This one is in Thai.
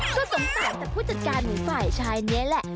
ก็สงสารแต่ผู้จัดการของฝ่ายชายนี้แหละ